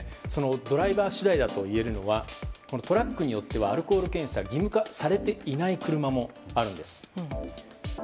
ドライバー次第だといえるのはトラックによってはアルコール検査が義務化されていない車もあるんです。